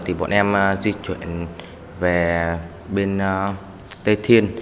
thì bọn em di chuyển về bên tây thiên